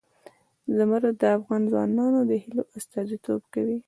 زمرد د افغان ځوانانو د هیلو استازیتوب کوي.